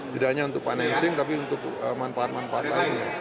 tidak hanya untuk financing tapi untuk manfaat manfaat lainnya